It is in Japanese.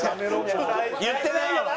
言ってないよな？